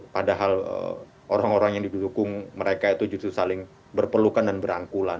padahal orang orang yang didukung mereka itu justru saling berpelukan dan berangkulan